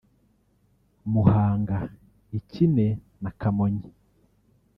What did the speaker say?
Muhanga ikine na Kamonyi